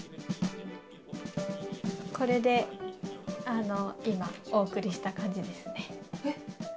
これで今、お送りした感じですね。